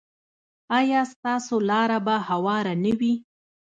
ایا ستاسو لاره به هواره نه وي؟